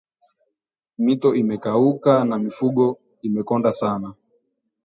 Mito imekauka na mifugo imekonda sana.